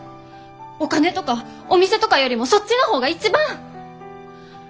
お金とかお店とかよりもそっちの方が一番！